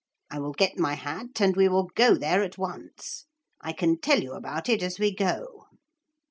I will get my hat and we will go there at once. I can tell you about it as we go.'